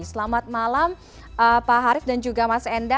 selamat malam pak harif dan juga mas enda